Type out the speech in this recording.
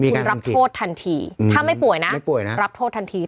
คุณรับโทษทันทีถ้าไม่ป่วยนะไม่ป่วยนะรับโทษทันที